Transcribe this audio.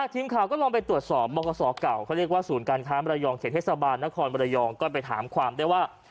ทีมข่าวก็ลองไปตรวจสอบบกษเก่าเขาเรียกว่าศูนย์การค้ามรยองเขตเทศบาลนครบรยองก็ไปถามความได้ว่า